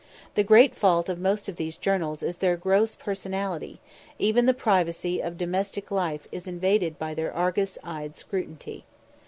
The great fault of most of these journals is their gross personality; even the privacy of domestic life is invaded by their Argus eyed scrutiny.